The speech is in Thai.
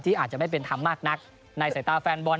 อาจจะไม่เป็นธรรมมากนักในสายตาแฟนบอล